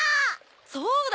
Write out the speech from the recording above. そうだ！